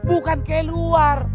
bukan kayak luar